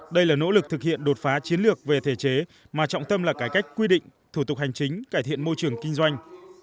đây là nỗ lực thực hiện đột phá chiến lược về thể chế mà trọng tâm là cải cách quy định thủ tục hành chính cải thiện môi trường kinh doanh